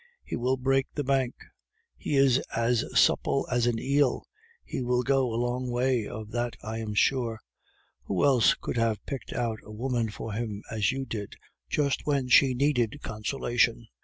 "He will break the bank. He is as supple as an eel; he will go a long way, of that I am sure. Who else could have picked out a woman for him, as you did, just when she needed consolation?"